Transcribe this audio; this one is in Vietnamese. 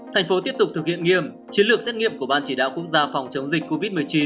thành phố tiếp tục thực hiện nghiêm chiến lược xét nghiệm của ban chỉ đạo quốc gia phòng chống dịch covid một mươi chín